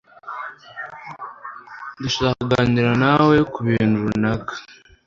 Ndashaka kuganira nawe kubintu runaka.